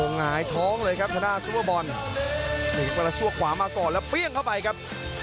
หงายท้องเลยครับทางด้านซุปเปอร์บอลหนีกระซวกขวามาก่อนแล้วเปรี้ยงเข้าไปครับ